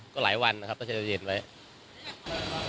ก็หลายวันนะครับก็จะเย็นไว้